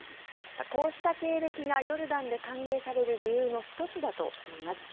こうした経歴がヨルダンで歓迎される理由の１つだといいます。